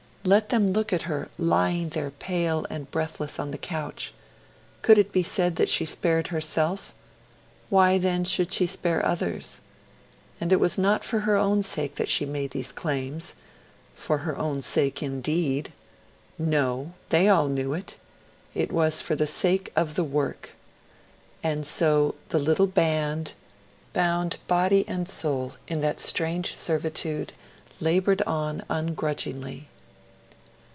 Let them look at her lying there pale and breathless on the couch; could it be said that she spared herself? Why, then, should she spare others? And it was not for her own sake that she made these claims. For her own sake, indeed! No! They all knew it! it was for the sake of the work. And so the little band, bound body and soul in that strange servitude, laboured on ungrudgingly.